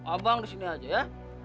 abang di sini aja ya